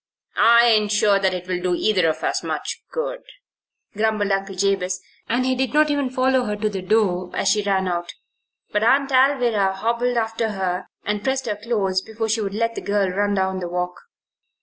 "I ain't sure that it'll do either of us much good," grumbled Uncle Jabez, and he did not even follow her to the door as she ran out. But Aunt Alvirah hobbled after her, and pressed her close before she would let the girl run down the walk.